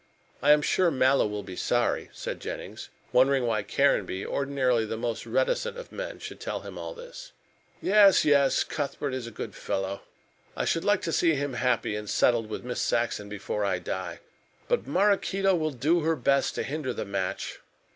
"I am sure Mallow will be sorry," said Jennings, wondering why Caranby, ordinarily the most reticent of men, should tell him all this. "Yes yes, Cuthbert is a good fellow. I should like to see him happy and settled with Miss Saxon before I die. But Maraquito will do her best to hinder the match."